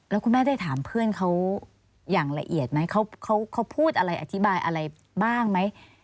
แล้วคุณแม่ได้ถามเพื่อนเขาอย่างละเอียดไหมเขาพูดอะไรอธิบายอะไรบ้างไหม